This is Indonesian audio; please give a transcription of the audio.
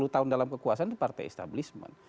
sepuluh tahun dalam kekuasaan itu partai establishment